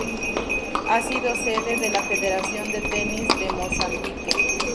Ha sido sede de la Federación de Tenis de Mozambique.